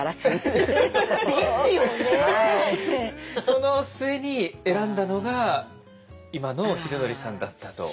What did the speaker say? その末に選んだのが今の秀則さんだったと。